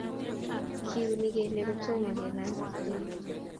Kiunii kelyek kotomo kelany kitoku